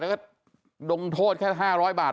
แล้วก็ดงโทษแค่๕๐๐บาท